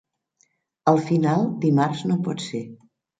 Al final dimarts no pot ser.